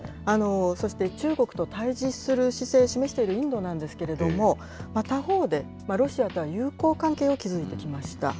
そして中国と対じする姿勢を示しているインドなんですけれども、他方で、ロシアと友好関係を築いてきました。